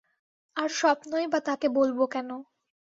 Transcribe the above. আর স্বপ্নই বা তাকে বলব কেন।